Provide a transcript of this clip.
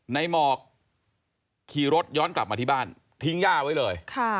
หมอกขี่รถย้อนกลับมาที่บ้านทิ้งย่าไว้เลย